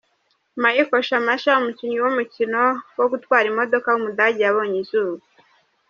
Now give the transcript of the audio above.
Michael Schumacher, umukinnyi w’umukino wo gutwara imodoka w’umudage yabonye izuba.